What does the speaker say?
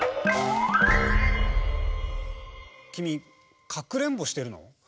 きみかくれんぼしてるの？